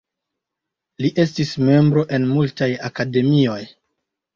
Li estis membro en multaj akademioj.